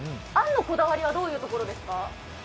あんのこだわりはどういうところですか？